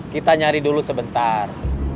kita nyari dulu sebentar